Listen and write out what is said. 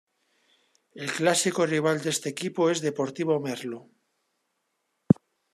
El clásico rival de este equipo es Deportivo Merlo.